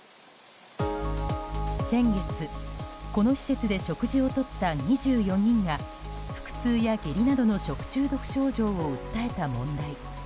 先月、この施設で食事をとった２４人が腹痛や下痢などの食中毒症状を訴えた問題。